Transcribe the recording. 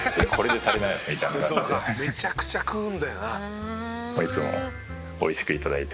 「そうかめちゃくちゃ食うんだよな」